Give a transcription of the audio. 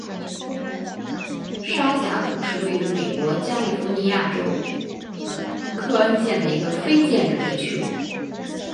沙峡谷是位于美国加利福尼亚州克恩县的一个非建制地区。